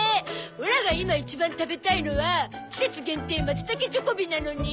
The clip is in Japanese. オラが今一番食べたいのは季節限定マツタケチョコビなのに。